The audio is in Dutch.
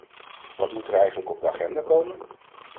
Wat moet er eigenlijk op de agenda komen?